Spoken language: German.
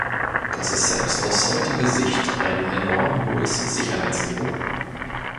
Das ist selbst aus heutiger Sicht ein enorm hohes Sicherheitsniveau.